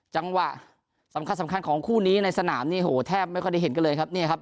จังหวะสำคัญสำคัญของคู่นี้ในสนามนี่โหแทบไม่ค่อยได้เห็นกันเลยครับเนี่ยครับ